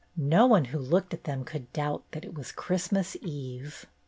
No one who looked at them could doubt that it was Christmas Eve.